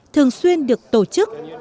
thường xuyên được tổ chức